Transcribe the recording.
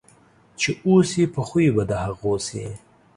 چې اوسې په خوی په د هغو سې.